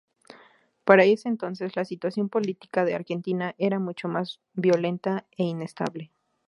Para ese entonces la situación política de Argentina era mucho más violenta e inestable.